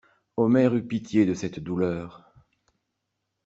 Omer eut pitié de cette douleur.